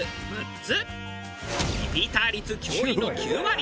リピーター率驚異の９割。